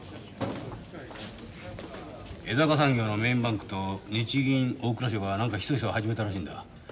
江坂産業のメインバンクと日銀大蔵省が何かひそひそ始めたらしいんだ。